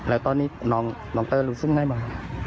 แล้วตอนนี้น้องเต้อรู้สึกไงบ้าง